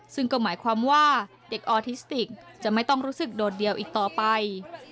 ซึ่งก็หมายความว่าเด็กออทิสติกจะไม่ต้องรู้สึกโดดเดียวอีกต่อไป